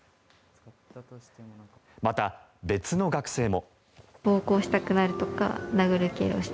また、別の学生も。